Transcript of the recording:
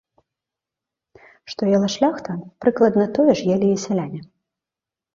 Што ела шляхта, прыкладна тое ж елі і сяляне.